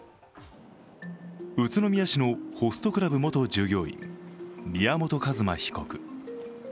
宇都宮市のホストクラブ元従業員、宮本一馬被告。